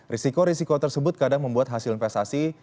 risiko risiko tersebut kadang membuat hasil investasi